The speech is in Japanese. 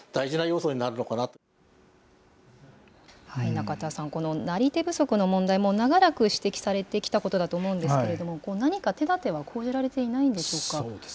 中田さん、このなり手不足の問題、もう長らく指摘されてきたことだと思うんですけれども、何か手だては講じられていないんでしょうか？